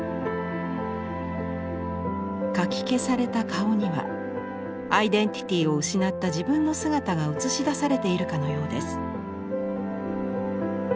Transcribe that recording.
かき消された顔にはアイデンティティーを失った自分の姿が映し出されているかのようです。